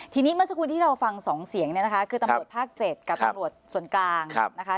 ทีนี้เมื่อสักครู่ที่เราฟัง๒เสียงเนี่ยนะคะคือตำรวจภาค๗กับตำรวจส่วนกลางนะคะ